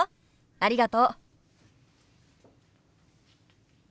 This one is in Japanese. ありがとう。